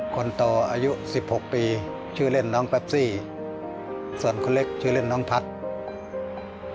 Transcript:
คนโตอายุสิบหกปีชื่อเล่นน้องแปปซี่ส่วนคนเล็กชื่อเล่นน้องพัฒน์